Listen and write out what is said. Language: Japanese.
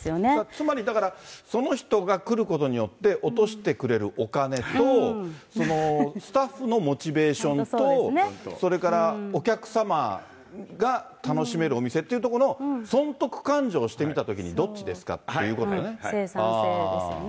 つまり、だから、その人が来ることによって落としてくれるお金と、そのスタッフのモチベーションと、それからお客様が楽しめるお店っていうところの損得勘定をしてみたときにどっちですかっていうことですよね。